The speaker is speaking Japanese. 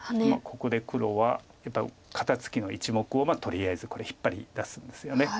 ここで黒はやっぱり肩ツキの１目をとりあえずこれ引っ張り出すんですよね。